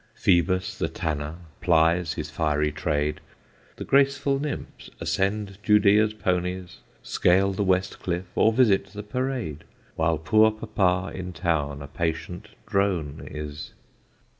Phoebus, the tanner, plies his fiery trade, The graceful nymphs ascend Judea's ponies, Scale the west cliff, or visit the parade, While poor papa in town a patient drone is.